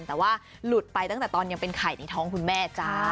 แต่ว่าหลุดไปตั้งแต่ตอนยังเป็นไข่ในท้องคุณแม่จ้า